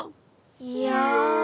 いや。